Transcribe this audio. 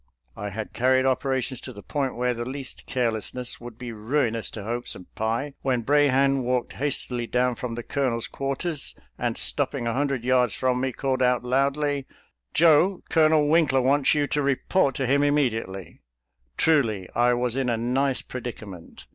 I had carried operations to the point where the least careless ness would be ruinous to hopes and pie, when Brahan walked hastily down from the Colonel's quarters, and stopping a hundred yards from me, called out loudly, " Joe, Colonel Winkler wants you to report to him immediately." Truly, I was in a nice predicament.